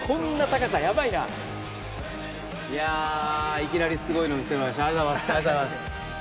いきなりすごいの見せてもらいましたありがとうございます。